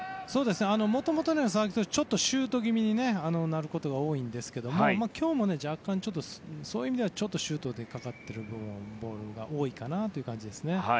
もともと佐々木投手はシュート気味になることが多いんですが今日も若干、そういう意味ではシュートがかかっているボールが多いかなという感じですね。